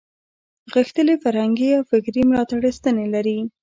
غښتلې فرهنګي او فکري ملاتړې ستنې لري.